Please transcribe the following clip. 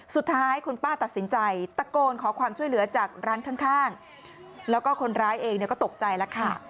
สุดท้ายคุณป้าตัดสินใจตะโกนขอความช่วยเหลือจากร้านข้างแล้วก็คนร้ายเองเนี่ยก็ตกใจแล้วค่ะ